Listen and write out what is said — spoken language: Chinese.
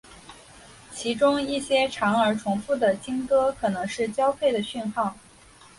其中一些长而重复的鲸歌可能是交配的讯号。